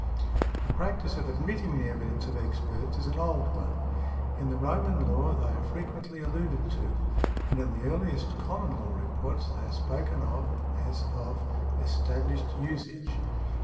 The practice of admitting the evidence of experts is an old one: in the Roman Law they are frequently alluded to, and in the earliest Common Law reports they are spoken of as of established usage.